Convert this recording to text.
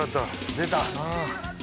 出た。